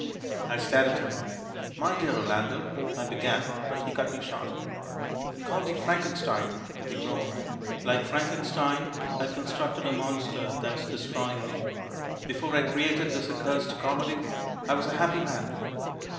I stared at him. "My dear Orlando " I began, but he cut me short. "Call me 'Frankenstein'!" he groaned. "Like Frankenstein, I've constructed a monster that's 50 FRANKENSTEIN II 51 destroying me. Before I created this accursed comedy I was a happy man."